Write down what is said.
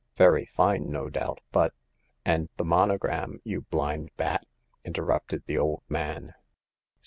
Very fine, no doubt ; but ''" And the monogram, you blind bat !" inter rupted the old man.